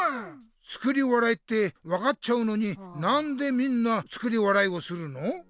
「作り笑い」って分かっちゃうのになんでみんな作り笑いをするの？